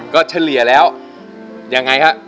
ก็เฉลี่ยแล้วอย่างไรคะ